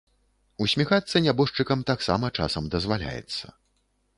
Усміхацца нябожчыкам таксама часам дазваляецца.